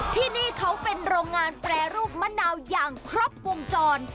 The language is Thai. ที่นี่เขาเป็นโรงงานแปรรูปมะนาวอย่างครบวงจร